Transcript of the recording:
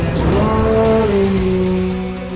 aku masuk ya ya